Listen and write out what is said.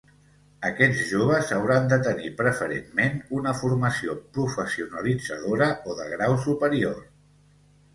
Aquests joves hauran de tenir preferentment una formació professionalitzadora o de grau superior.